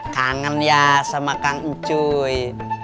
kangen ya sama kang cuy